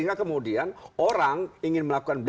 dan kemudian orang ingin melakukan